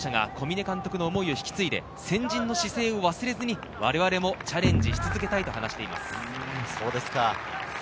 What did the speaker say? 我々は若い指導者が小嶺監督の思いを引き継いで先人の姿勢を忘れずに我々もチャレンジし続けたいと話しています。